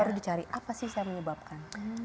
ya baru dicari apa sih yang menyebabkan